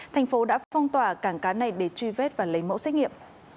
thành phố đã phong tỏa cảng cá này để truy vết và lấy mẫu xét nghiệm